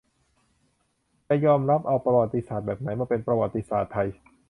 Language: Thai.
จะยอมรับเอาประวัติศาสตร์แบบไหนมาเป็นประวัติศาสตร์ไทย